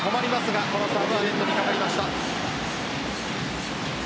このサーブはネットにかかりました。